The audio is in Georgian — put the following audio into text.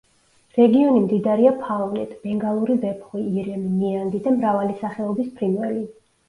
რეგიონი მდიდარია ფაუნით: ბენგალური ვეფხვი, ირემი, ნიანგი და მრავალი სახეობის ფრინველი.